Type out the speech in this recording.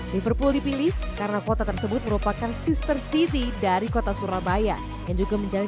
liverpool dipilih karena kota tersebut merupakan sister city dari kota surabaya yang juga menjadi